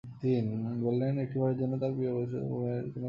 বললেন, একটি বারের জন্য তাঁর পুত্রবধূ শিশু মেয়ের কোনো খোঁজ নেয়নি।